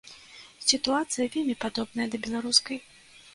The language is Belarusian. Сітуацыя вельмі падобная да беларускай.